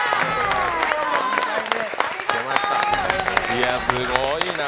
いや、すごいな。